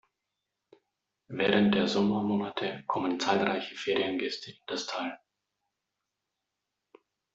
Während der Sommermonate kommen zahlreiche Feriengäste in das Tal.